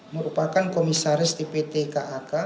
merupakan komisaris tpt kak